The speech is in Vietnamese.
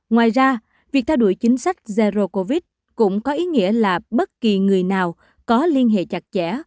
ngoài ra việc theo đuổi chính sách zero covid cũng có ý nghĩa là bất kỳ người nào có liên hệ chặt chẽ